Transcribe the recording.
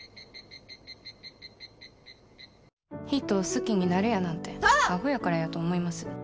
人を好きになるやなんてあほやからやと思います。